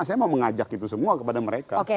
saya mau mengajak itu semua kepada mereka